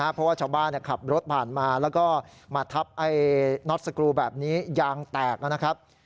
เพราะว่าชาวบ้านขับรถผ่านมาแล้วก็มาทับน็อตสกรูแบบนี้ยางแตกนะครับ